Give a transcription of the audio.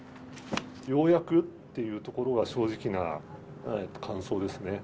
ようやくっていうところが正直な感想ですね。